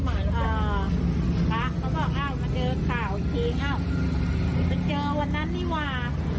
เขาบอกเอ้ามาเจอข่าวจริงเอ้าจะเจอวันนั้นนี่ว่า